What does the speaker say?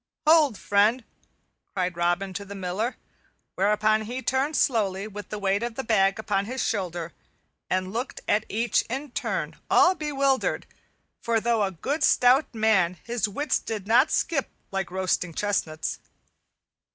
"Hold, friend!" cried Robin to the Miller; whereupon he turned slowly, with the weight of the bag upon his shoulder, and looked at each in turn all bewildered, for though a good stout man his wits did not skip like roasting chestnuts.